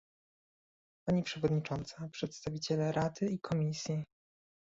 Pani przewodnicząca, przedstawiciele Rady i Komisji